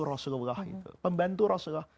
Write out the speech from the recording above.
rasulullah itu pembantu rasulullah